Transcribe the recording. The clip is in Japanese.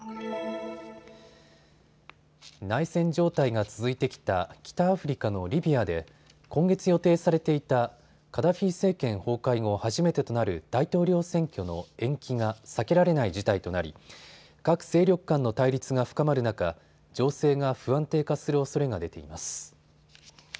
内戦状態が続いてきた北アフリカのリビアで今月予定されていたカダフィ政権崩壊後、初めてとなる大統領選挙の延期が避けられない事態となり各勢力間の対立が深まる中、情勢が不安定化するおそれが出ています。